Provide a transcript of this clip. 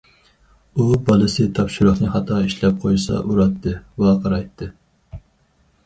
ئۇ بالىسى تاپشۇرۇقنى خاتا ئىشلەپ قويسا ئۇراتتى، ۋارقىرايتتى.